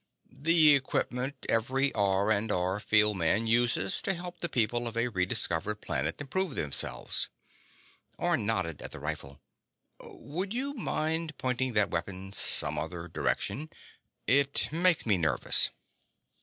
"The equipment every R&R field man uses to help the people of a rediscovered planet improve themselves." Orne nodded at the rifle. "Would you mind pointing that weapon some other direction? It makes me nervous."